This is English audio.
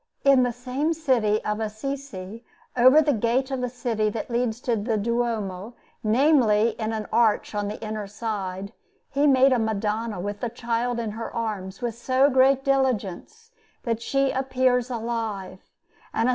In the same city of Assisi, over the gate of the city that leads to the Duomo namely, in an arch on the inner side he made a Madonna with the Child in her arms, with so great diligence that she appears alive, and a S.